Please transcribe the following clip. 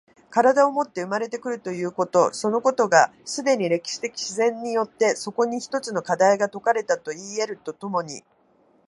身体をもって生まれて来るということそのことが、既に歴史的自然によってそこに一つの課題が解かれたといい得ると共に